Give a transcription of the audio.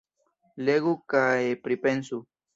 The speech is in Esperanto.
Legu kaj pripensu!